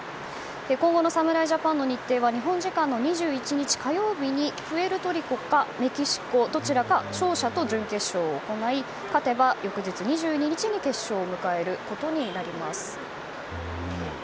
今後の侍ジャパンの日程は日本時間の２１日火曜日にプエルトリコかメキシコどちらか勝者と準決勝を行い勝てば翌日２２日に決勝を迎えることになります。